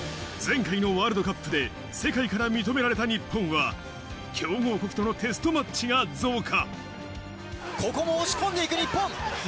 前回のワールドカップで世界から認められた日本は強豪国とのテストマッチが増加。